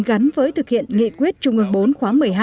gắn với thực hiện nghị quyết trung ương bốn khóa một mươi hai